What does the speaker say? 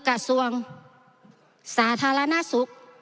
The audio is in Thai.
กระทรวงสาธารณสุข